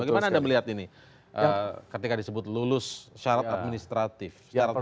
bagaimana anda melihat ini ketika disebut lulus syarat administratif